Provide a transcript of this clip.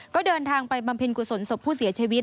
ก็เดินทางไปบำเพ็ญกุศลศพผู้เสียชีวิต